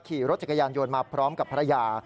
ขี่รถจักรยานยนต์มาพร้อมกับภรรยา